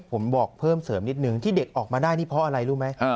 ผมบอกเพิ่มเสริมนิดนึงที่เด็กออกมาได้นี่เพราะอะไรรู้ไหม